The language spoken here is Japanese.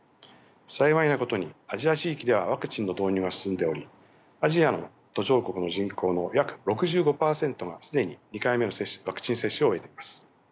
幸いなことにアジア地域ではワクチンの導入が進んでおりアジアの途上国の人口の約６５％が既に２回目のワクチン接種を終えています。